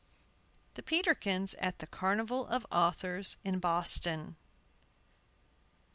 THE PETERKINS AT THE "CARNIVAL OF AUTHORS" IN BOSTON.